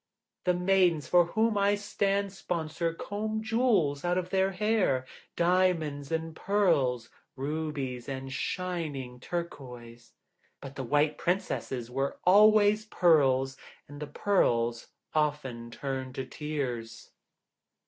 The maidens for whom I stand sponsor comb jewels out of their hair; diamonds and pearls, rubies, and shining turquoise. But the White Princess' were always pearls; and pearls often turn to tears."